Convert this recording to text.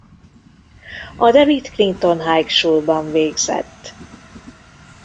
A De Witt Clinton High Schoolban végzett.